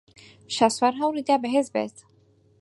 شاسوار ھەوڵی دا بەھێز بێت.